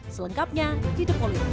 selengkapnya di the politician